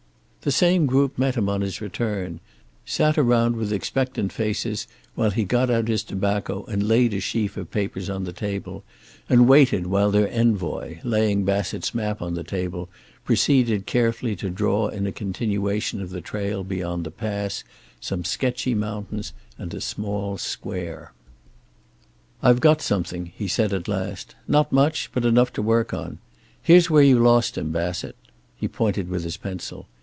The same group met him on his return, sat around with expectant faces while he got out his tobacco and laid a sheaf of papers on the table, and waited while their envoy, laying Bassett's map on the table, proceeded carefully to draw in a continuation of the trail beyond the pass, some sketchy mountains, and a small square. "I've got something," he said at last. "Not much, but enough to work on. Here's where you lost him, Bassett." He pointed with his pencil.